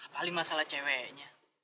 apalagi masalah ceweknya